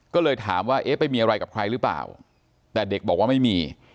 ก็เลยถามว่าเอ๊ะไปมีอะไรกับใครหรือเปล่าแต่เด็กบอกว่าไม่มี